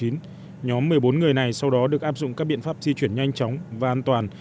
nhóm một mươi bốn người này sau đó được áp dụng các biện pháp di chuyển nhanh chóng và an toàn